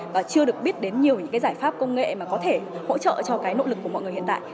và chưa được biết đến nhiều những cái giải pháp công nghệ mà có thể hỗ trợ cho cái nội lực của mọi người hiện tại